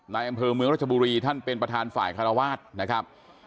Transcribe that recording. ในอำเภอเมืองรัชบุรีท่านเป็นประธานฝ่ายคารวาสนะครับ